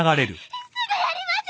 すぐやります！